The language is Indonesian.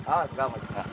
ah gak pak